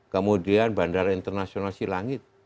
kemudian bandara internasional silangit